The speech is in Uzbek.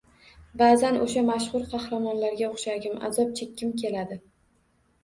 Baʼzan oʻsha mashhur qahramonlarga oʻxshagim, azob chekkim keladi.